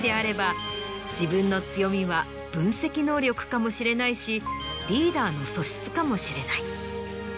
自分の強みは分析能力かもしれないしリーダーの素質かもしれない。